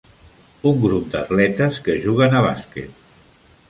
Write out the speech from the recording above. Un grup d'atletes que juguen a bàsquet